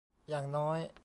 อย่างน้อย